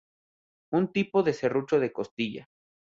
Un tipo de serrucho de costilla.